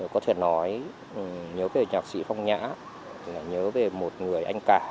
có thể nói nhớ về nhạc sĩ phong nhã nhớ về một người anh cả